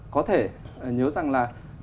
có thể nhớ rằng là